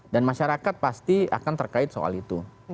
dan masyarakat pasti akan terkait soal itu